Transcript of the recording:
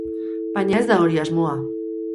Baina, ez da hori asmoa.